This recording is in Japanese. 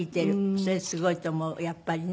それすごいと思うやっぱりね。